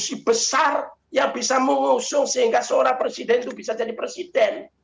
koalisi besar yang bisa mengusung sehingga seorang presiden itu bisa jadi presiden